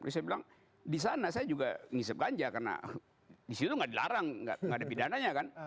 terus saya bilang di sana saya juga ngisep ganja karena disitu nggak dilarang nggak ada pidananya kan